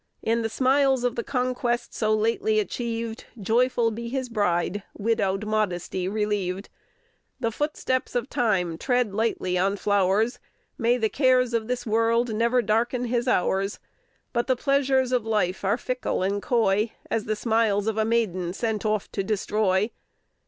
In the smiles of the conquest so lately achieved, Joyful be his bride, "widowed modesty" relieved. The footsteps of time tread lightly on flowers, May the cares of this world ne'er darken his hours! But the pleasures of life are fickle and coy As the smiles of a maiden sent off to destroy.